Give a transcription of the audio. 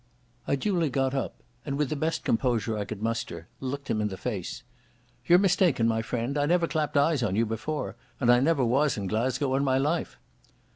I duly got up, and with the best composure I could muster looked him in the face. "You're mistaken, my friend. I never clapped eyes on you before, and I never was in Glasgow in my life."